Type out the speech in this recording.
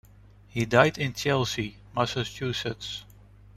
He died in Chelsea, Massachusetts.